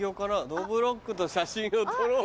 「どぶろっくと写真をとろう！」